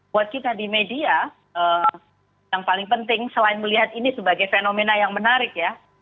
buat kita di media yang paling penting selain melihat ini sebagai fenomena yang menarik ya